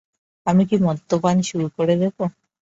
আমি কি মদ্যপান শুরু করে দেব?